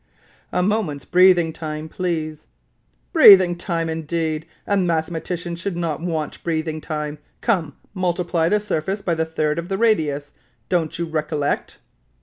"A moment's breathing time, please." "Breathing time, indeed! A mathematician should not want breathing time! Come, multiply the surface by the third of the radius. Don't you recollect?"